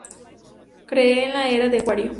Creen en la Era de Acuario.